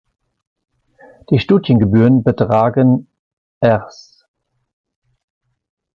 Die Studiengebühren betragen Rs.